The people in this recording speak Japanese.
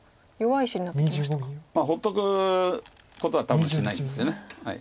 まあ放っとくことは多分しないんですよね。